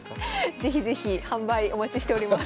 是非是非販売お待ちしております。